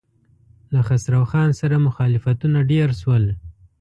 له خسرو خان سره مخالفتونه ډېر شول.